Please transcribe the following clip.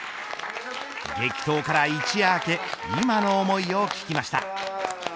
激闘から一夜明け今の思いを聞きました。